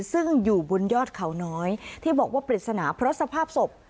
ซึ่งอยู่บนยอดเขาน้อยที่บอกว่าปริศนาเพราะสภาพศพ